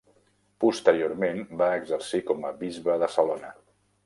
Posteriorment va exercir com a bisbe de Salona.